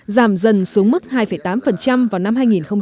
giảm dần xuống mức hai tám vào năm hai nghìn một mươi tám